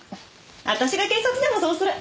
私が警察でもそうする。